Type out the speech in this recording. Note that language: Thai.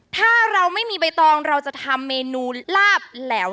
ถ้าเราไม่มีใบตองเราจะทำเมนูลาบแหลว